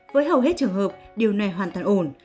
với hầu hết trường hợp điều này hoàn toàn ổn